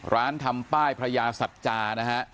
ร้านทำป้ายพระยาศัตรา